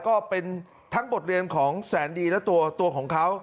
ก็เป็นทั้งบทเรียนของแสนดีและตัวของเขา